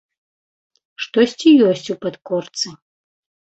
Штосьці ёсць у падкорцы.